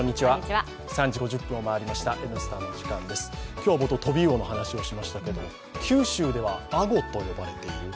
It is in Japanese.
今日は冒頭飛び魚の話をしましたが九州ではアゴと呼ばれている。